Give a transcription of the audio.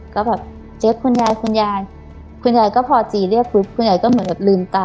ก็แบบเจ๊คุณยายคุณยายคุณยายก็พอจีเรียกปุ๊บคุณยายก็เหมือนแบบลืมตา